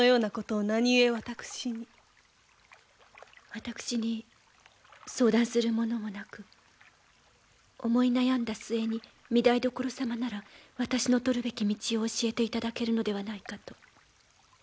私に相談する者もなく思い悩んだ末に御台所様なら私のとるべき道を教えていただけるのではないかと。